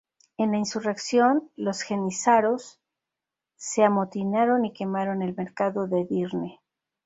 En la insurrección, los jenízaros se amotinaron y quemaron el mercado de Edirne.